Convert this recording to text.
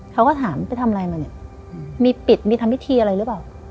เขาก็ถามไปทำอะไรมาเนี่ยมีปิดมีทำพิธีอะไรหรือเปล่า